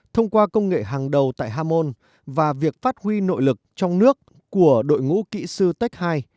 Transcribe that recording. thông qua công nghệ hàng đầu tại hamon và việc phát huy nội lực trong nước của đội ngũ kỹ sư tec hai